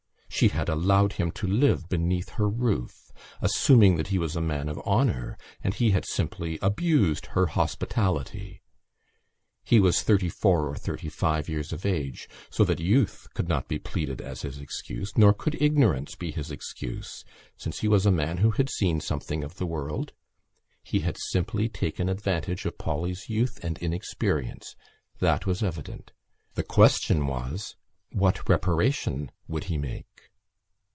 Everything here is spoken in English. She had allowed him to live beneath her roof, assuming that he was a man of honour, and he had simply abused her hospitality. He was thirty four or thirty five years of age, so that youth could not be pleaded as his excuse; nor could ignorance be his excuse since he was a man who had seen something of the world. He had simply taken advantage of Polly's youth and inexperience: that was evident. The question was: What reparation would he make?